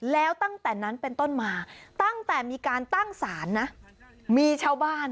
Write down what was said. แล้วตั้งแต่นั้นเป็นต้นมาตั้งแต่มีการตั้งศาลนะมีชาวบ้าน